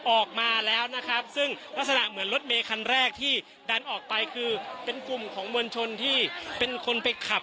ออกมาแล้วนะครับซึ่งลักษณะเหมือนรถเมย์คันแรกที่ดันออกไปคือเป็นกลุ่มของมวลชนที่เป็นคนไปขับ